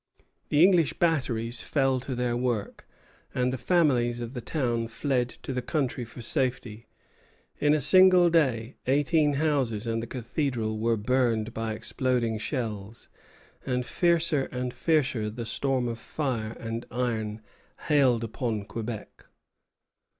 The English batteries fell to their work, and the families of the town fled to the country for safety. In a single day eighteen houses and the cathedral were burned by exploding shells; and fiercer and fiercer the storm of fire and iron hailed upon Quebec.